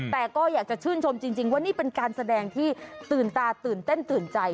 แต่ก็อยากจะชื่นชมจริงว่านี่เป็นการแสดงที่ตื่นตาตื่นเต้นตื่นใจ